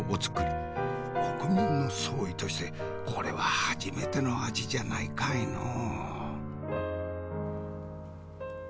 国民の総意としてこれは初めての味じゃないかいのう。